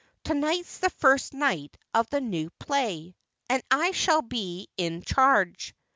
Tonight's the First Night of this new play, and I shall be in charge."